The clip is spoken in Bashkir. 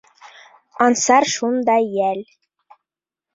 Ансар шундай йәл...